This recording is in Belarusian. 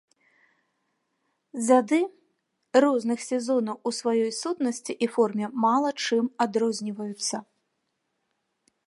Дзяды розных сезонаў у сваёй сутнасці і форме мала чым адрозніваюцца.